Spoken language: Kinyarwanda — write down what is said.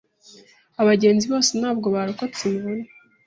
Abagenzi bose ntabwo barokotse imvune.